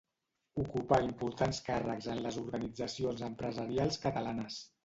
Ocupà importants càrrecs en les organitzacions empresarials catalanes.